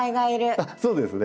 あっそうですね。